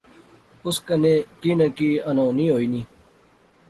اس کنے کی نہ کی انہونی ہوئی نی